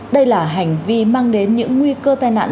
đây là hành vi mang đến những nguy cơ tai nạn